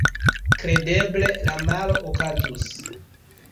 Kredeble la malo okazus.